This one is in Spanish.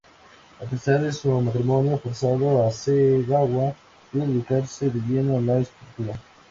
A pesar de su matrimonio forzado, Hasegawa pudo dedicarse de lleno a la escritura.